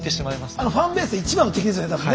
あのファンベースで一番の敵ですよね多分ね。